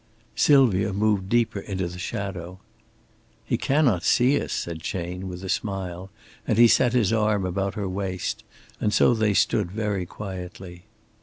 Sylvia moved deeper into the shadow. "He cannot see us," said Chayne, with a smile, and he set his arm about her waist; and so they stood very quietly.